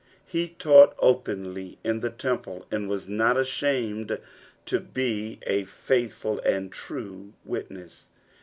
Ue taught openly in the' temple, and was not ashamed to be a faith ful and a true witness.